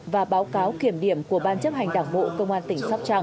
và báo cáo kiểm điểm của ban chấp hành đảng bộ công an tỉnh sóc trăng